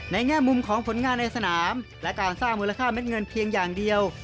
แง่มุมของผลงานในสนามและการสร้างมูลค่าเม็ดเงินเพียงอย่างเดียว